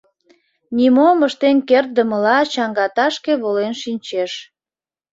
Нимом ыштен кертдымыла чаҥгаташке волен шинчеш...